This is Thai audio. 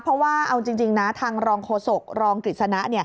เพราะว่าเอาจริงนะทางรองโฆษกรองกฤษณะ